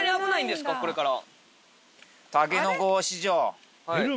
これから。